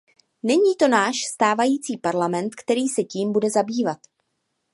Není to náš stávající Parlament, který se tím bude zabývat.